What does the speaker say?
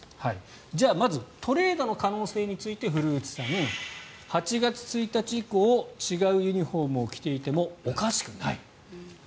じゃあまずトレードの可能性について古内さん８月１日以降違うユニホームを着ていてもおかしくない。